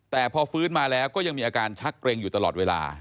แต่พอฟื้นมาแล้วก็ยังมีอาการชักเกรงอยู่ตลอดเวลา